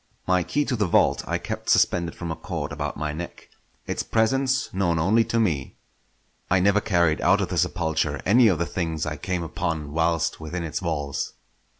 My key to the vault I kept suspended from a cord about my neck, its presence known only to me. I never carried out of the sepulchre any of the things I came upon whilst within its walls.